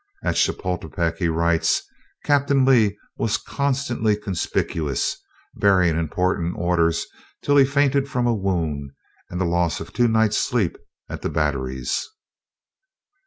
"At Chapultepec," he writes, "Captain Lee was constantly conspicuous, bearing important orders till he fainted from a wound and the loss of two nights' sleep at the batteries."